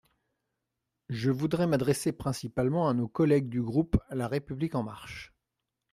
Je voudrais m’adresser principalement à nos collègues du groupe La République en marche.